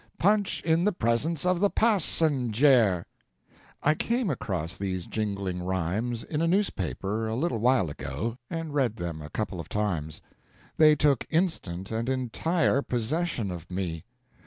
Punch in the presence of the passenjare! I came across these jingling rhymes in a newspaper, a little while ago, and read them a couple of times. They took instant and entire possession of me.